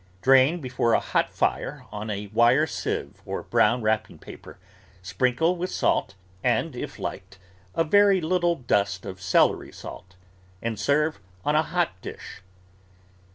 Drain before a hot fire on a wire sieve or brown wrapping paper, sprinkle with salt, and, if liked, a very little dust of celery salt, and serve on a hot dish.